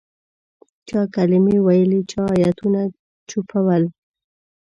چا کلمې ویلې چا آیتونه چوفول.